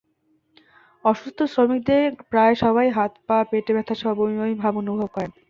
অসুস্থ শ্রমিকদের প্রায় সবাই হাত-পা, পেটে ব্যথাসহ বমি বমি ভাব অনুভব করেন।